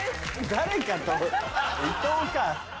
誰かと伊藤か。